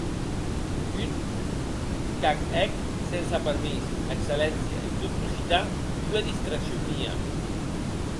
Un qu'ac hec sense permís, Excelléncia, en tot profitar ua distraccion mia.